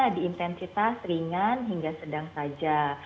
di intensitas ringan hingga sedang saja